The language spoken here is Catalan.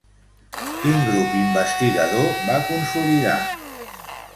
Quin grup investigador va consolidar?